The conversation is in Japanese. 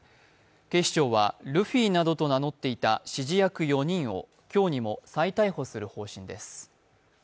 警視庁はルフィなどと名乗っていた指示役４人を今日にも再逮捕する方針です。